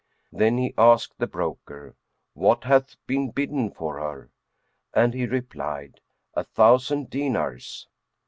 Then he asked the broker, "What hath been bidden for her?" and he replied, "A thousand dinars."